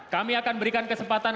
kami akan berikan kesempatan